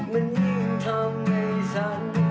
มันยิ่งทำให้ฉัน